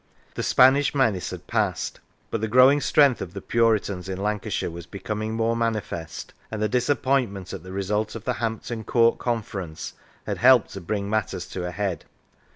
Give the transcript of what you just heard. The Spanish menace had passed, but the growing strength of the Puritans in Lancashire was becoming more manifest, and the disappointment at the result of the Hampton Court Conference had helped to bring matters to a head.